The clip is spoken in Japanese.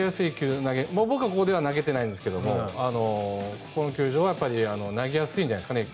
僕はここでは投げてないんですけどもここの球場は投げやすいんじゃないですかね。